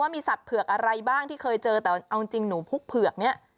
มีสัตว์เผือกอะไรบ้างที่เคยเจอแต่เอาจริงหนูพุกเผือกนี้